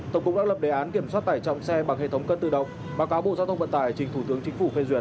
tổng cục đã lập đề án kiểm soát tải trọng xe bằng hệ thống cân tự động báo cáo bộ giao thông vận tải trình thủ tướng chính phủ phê duyệt